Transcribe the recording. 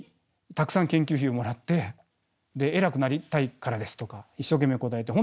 たくさん研究費をもらって偉くなりたいからですとか一生懸命答えて。